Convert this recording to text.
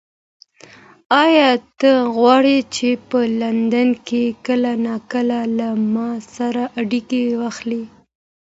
ایا ته غواړې چې په لندن کې کله ناکله له ما سره اړیکه ونیسې؟